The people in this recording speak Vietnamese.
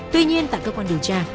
tuy nhiên tại cơ quan điều tra